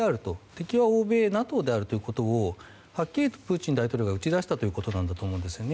敵は欧米ＮＡＴＯであるということをはっきりとプーチン大統領が打ち出したということなんだと思うんです。